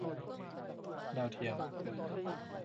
ดาวเทียม